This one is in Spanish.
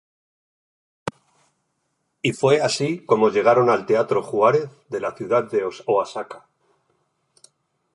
Y fue así como llegaron al teatro Juárez de la Ciudad de Oaxaca.